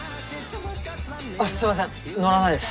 あっすみません乗らないです。